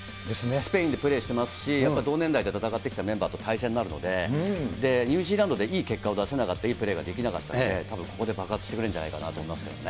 スペインでプレーしてますし、やっぱり同年代で戦ってきたメンバーと対戦になるので、ニュージーランドでいい結果を出せなかった、いいプレーができなかったので、たぶんここで爆発してくれるんじゃないかなと思いますけれどもね。